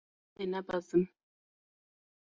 Ez ê nebezim.